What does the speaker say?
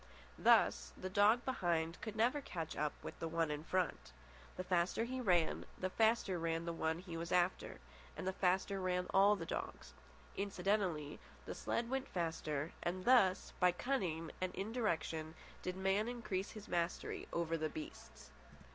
Thus, the dog behind could never catch up with the one in front. The faster he ran, the faster ran the one he was after, and the faster ran all the dogs. Incidentally, the sled went faster, and thus, by cunning indirection, did man increase his mastery over the beasts.